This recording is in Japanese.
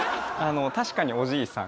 確かにおじいさん。